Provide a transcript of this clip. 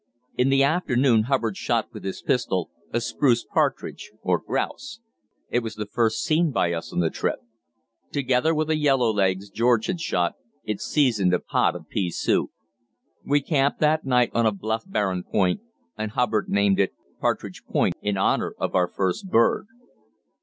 In the afternoon Hubbard shot with his pistol a spruce partridge (grouse); it was the first seen by us on the trip. Together with a yellowlegs George had shot, it seasoned a pot of pea soup. We camped that night on a bluff, barren point, and Hubbard named it "Partridge Point" in bonour of our first bird.